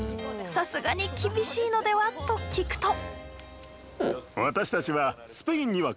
さすがに厳しいのでは？と聞くと。